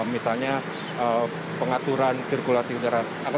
misalnya pengaturan sirkulasi udara